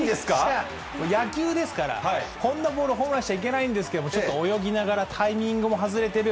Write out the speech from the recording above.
野球ですから、こんなボールをホームランにしちゃいけないんですけど、ちょっと泳ぎながら、タイミングも外れてる。